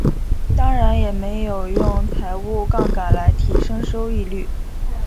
当然也没有用财务杠杆来提升收益率。